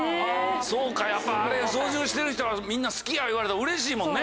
そうかあれ操縦してる人はみんな好きや言われたらうれしいもんね。